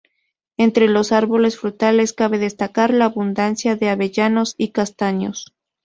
Entre los árboles frutales cabe destacar la abundancia de avellanos y castaños.